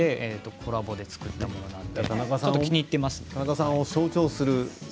コラボで作ったものなんで田中さんを象徴する。